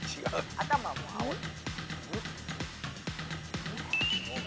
頭も青い。